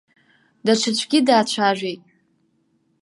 Даҽаӡәгьы даацәажәеит.